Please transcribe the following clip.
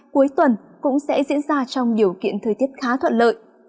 cuối tuần cũng sẽ diễn ra trong điều kiện thời tiết khá thuận lợi